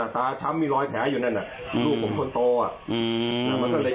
ตาช้ำมีรอยแผลอยู่นั่นน่ะอืมลูกผมต้นโตอ่ะอืม